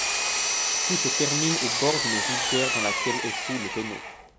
Tout se termine au bord d’une rivière dans laquelle échoue le tonneau.